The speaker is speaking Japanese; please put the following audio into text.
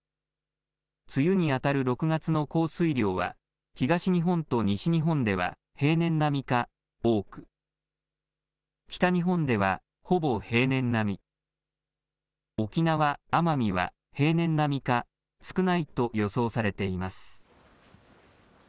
梅雨に当たる６月の降水量は、東日本と西日本では平年並みか多く、北日本ではほぼ平年並み、沖縄・奄美は平年並みか少ないと予想されています。